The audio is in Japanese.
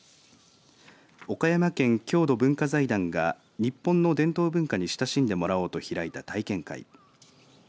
岡山県郷土文化財団が日本の伝統文化に親しんでもらおうと開いた体験会。